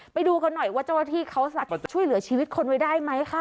ไปดูกันหน่อยว่าเจ้าหน้าที่เขาช่วยเหลือชีวิตคนไว้ได้ไหมคะ